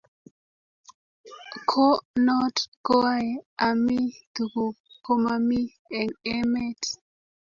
ko not koae ami tuguk ko mami eng emet